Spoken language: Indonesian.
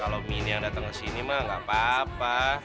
kalo minin yang dateng kesini mah gak papa